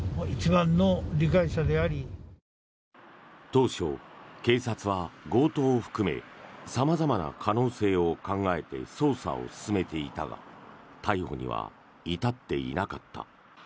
当初、警察は強盗を含め様々な可能性を考えて捜査を進めていたが逮捕には至っていなかった。